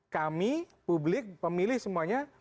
kami publik pemilih semuanya